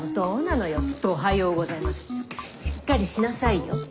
しっかりしなさいよ。